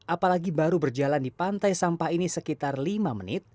apalagi baru berjalan di pantai sampah ini sekitar lima menit